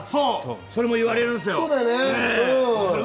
それも言われるんですよ。